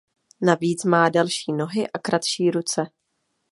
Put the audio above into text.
Navíc má delší nohy a kratší ruce.